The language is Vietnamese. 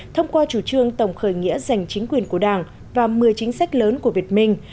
thông qua chủ trương tổng khởi nghĩa giành chính quyền của đảng và một mươi chính sách lớn của việt minh